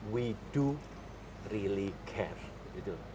kita sangat peduli